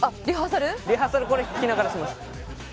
リハーサルこれ着ながらします。